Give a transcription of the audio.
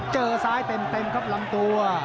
เจอซ้ายเต็มครับลำตัว